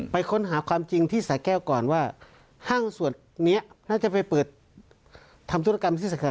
ไปค้นหาความจริงที่สาแก้วก่อนว่าห้างสวดนี้น่าจะไปเปิดทำธุรกรรมที่สถาน